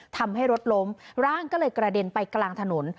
ทำให้รถล้มร่างก็เลยกระเด็นไปกลางถนน